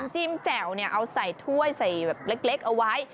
จิ้มแจ่วเอาใส่ถ้วยใส่แบบเล็กเอาไว้